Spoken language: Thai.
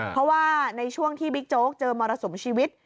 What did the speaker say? เพราะว่าในช่วงที่บิ๊กโจ๊กเจอมรสุมชีวิต